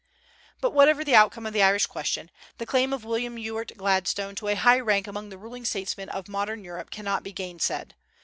But, whatever the outcome of the Irish question, the claim of William Ewart Gladstone to a high rank among the ruling statesmen of Modern Europe cannot be gainsaid.